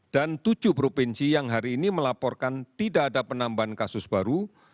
dan tujuh provinsi yang hari ini melaporkan tidak ada penambahan kasus baru